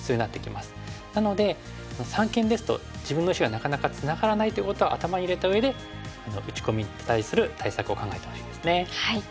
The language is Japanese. なので三間ですと自分の石がなかなかツナがらないということは頭に入れたうえで打ち込みに対する対策を考えてほしいですね。